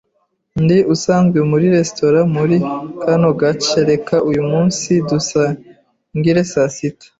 Ndi usanzwe muri resitora muri kano gace. Reka uyu munsi dusangire saa sita.